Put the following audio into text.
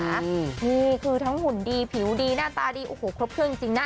นี่คือทั้งหุ่นดีผิวดีหน้าตาดีโอ้โหครบเครื่องจริงนะ